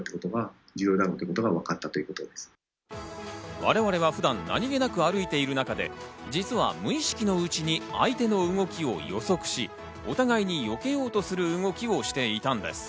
我々が普段、何気なく歩いている中で実は無意識のうちに相手の動きを予測し、お互いによけようとする動きをしていたんです。